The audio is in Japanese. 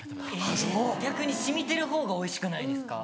逆に染みてるほうがおいしくないですか？